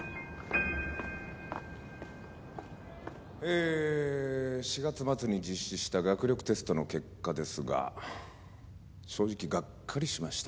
え４月末に実施した学力テストの結果ですが正直がっかりしました。